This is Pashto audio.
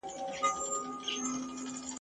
پر زړو خوړو شخوندونه یې وهله ..